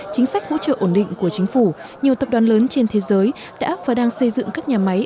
chính sách hỗ trợ ổn định của chính phủ nhiều tập đoàn lớn trên thế giới đã và đang xây dựng các nhà máy